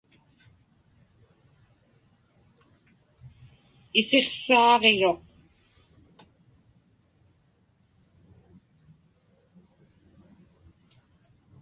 Isiqsaaġiruq.